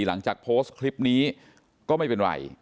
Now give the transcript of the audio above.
หลังจากโพสต์คลิปนี้ก็ไม่เป็นไร